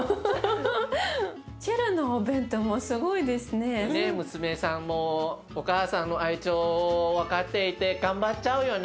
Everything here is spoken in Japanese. ねっ娘さんもお母さんの愛情を分かっていて頑張っちゃうよね。